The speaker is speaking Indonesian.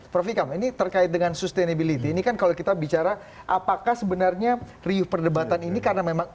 prof ikam ini terkait dengan sustainability ini kan kalau kita bicara apakah sebenarnya riuh perdebatan ini karena memang